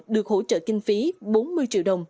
được hỗ trợ kinh phí bốn mươi triệu đồng